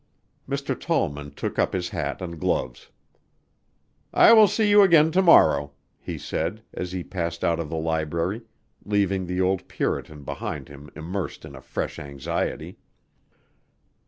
Mr. Tollman took up his hat and gloves. "I will see you again to morrow," he said, as he passed out of the library, leaving the old puritan behind him immersed in a fresh anxiety.